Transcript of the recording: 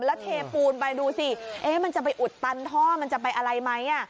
แล้วเทปูนไปดูสิมันจะไปอุดตันท่อมันจะไปอะไรไหม